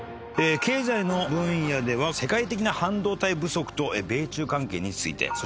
経済の分野では世界的な半導体不足と米中関係について。